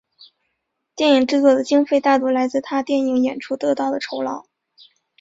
电影制作的经费大多来自他电影演出得到的酬劳。